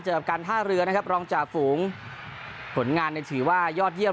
เจอกันห้าเรือนะครับรองจ่าฝูงผลงานนะธีย์ว่ายอดเยี่ยม